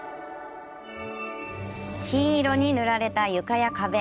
金色に塗られた床や壁。